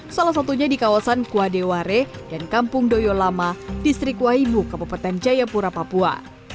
salah satunya di kawasan kuadeware dan kampung doyolama distrik wainu kabupaten jayapura papua